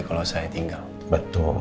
kalau saya tinggal betul